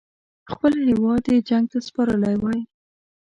خپل هیواد یې جنګ ته سپارلی وای.